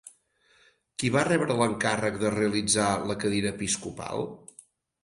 Qui va rebre l'encàrrec de realitzar la cadira episcopal?